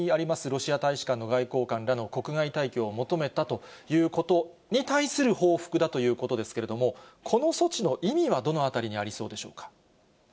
ロシア大使館の外交官らの国外退去を求めたということに対する報復だということですけれども、この措置の意味はどのあたりにありそうでしょうか。